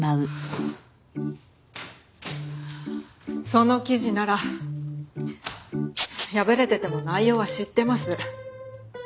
その記事なら破れてても内容は知ってます。